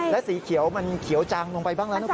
และสีเขียวมันเขียวจังลงไปบ้างแล้วนะคุณ